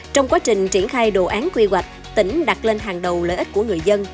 trong quá trình triển khai đồ án quy hoạch tỉnh đặt lên hàng đầu lợi ích của người dân